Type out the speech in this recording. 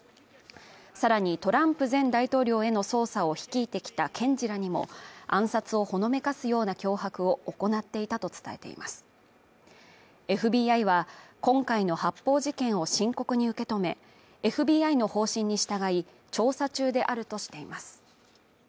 さらにトランプ前大統領への捜査を率いてきた検事らにも暗殺をほのめかすような脅迫を行っていたと伝えていますＦＢＩは今回の発砲事件を深刻に受け止めＦＢＩの方針に従い調査中であるとしています